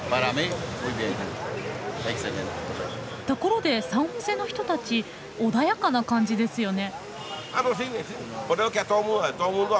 ところでサンホセの人たち穏やかな感じですよね。